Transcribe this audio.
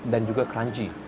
dan juga crunchy